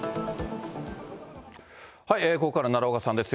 ここから奈良岡さんです。